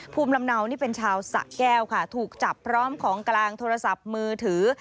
ภูมิลำเนานี่เป็นชาวสะแก้วค่ะถูกจับพร้อมของกลางโทรศัพท์มือถือ